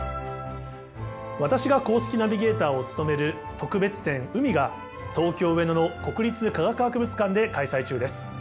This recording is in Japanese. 私が公式ナビゲーターを務める特別展「海」が東京・上野の国立科学博物館で開催中です。